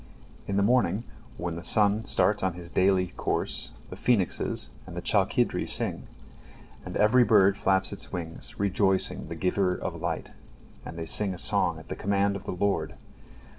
In the morning when the sun starts on his daily course, the phoenixes and the chalkidri sing, and every bird flaps its wings, rejoicing the Giver of light, and they sing a song at the command of the Lord.